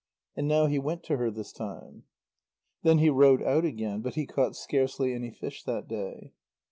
And now he went to her this time. Then he rowed out again, but he caught scarcely any fish that day.